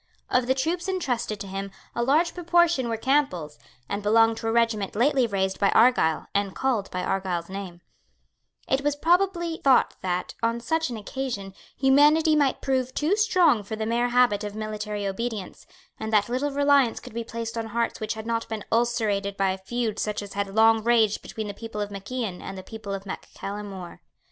Of the troops entrusted to him a large proportion were Campbells, and belonged to a regiment lately raised by Argyle, and called by Argyle's name, It was probably thought that, on such an occasion, humanity might prove too strong for the mere habit of military obedience, and that little reliance could be placed on hearts which had not been ulcerated by a feud such as had long raged between the people of Mac Ian and the people of Mac Callum More.